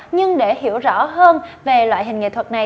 nhưng để hiểu rõ hơn về loại hình nghệ thuật này